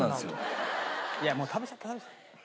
いやもう食べちゃって食べちゃって。